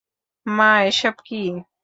মা, এসব কী?